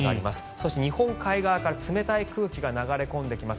そして日本海側から冷たい空気が流れ込んできます。